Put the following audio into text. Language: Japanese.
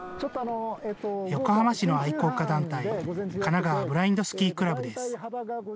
横浜市の愛好家団体、かながわブラインドスキークラブです。